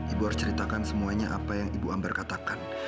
ibu harus ceritakan semuanya apa yang ibu ambar katakan